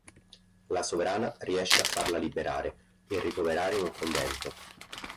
La sovrana riesce a farla liberare e ricoverare in un convento.